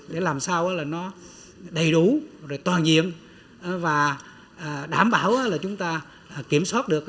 để làm sao nó đầy đủ toàn nhiệm và đảm bảo chúng ta kiểm soát được